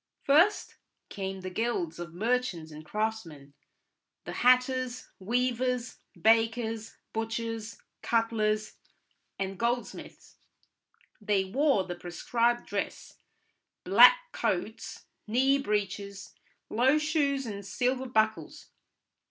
First came the guilds of merchants and craftsmen, the hatters, weavers, bakers, butchers, cutlers, and goldsmiths. They wore the prescribed dress: black coats, knee breeches, low shoes and silver buckles.